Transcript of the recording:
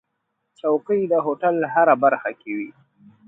چوکۍ د هوټل هره برخه کې وي.